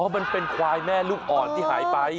มันเป็นควายแม่ลูกอ่อนที่หายไป